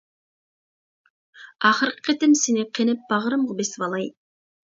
ئاخىرقى قېتىم سېنى قېنىپ باغرىمغا بېسىۋالاي.